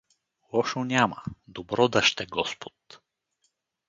— Лошо няма — добро да ще господ!